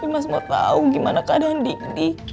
mas mau tau gimana keadaan didi